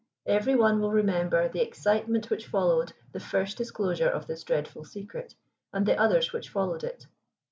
Every one will remember the excitement which followed the first disclosure of this dreadful secret and the others which followed it.